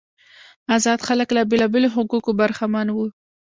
آزاد خلک له بیلابیلو حقوقو برخمن وو.